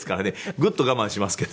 グッと我慢しますけど。